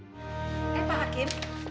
eh pak hakim